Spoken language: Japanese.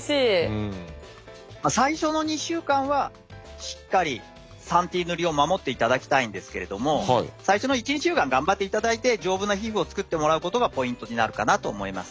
最初の２週間はしっかり３Ｔ塗りを守っていただきたいんですけれども最初の１２週間頑張っていただいて丈夫な皮膚を作ってもらうことがポイントになるかなと思います。